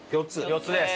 ４つです。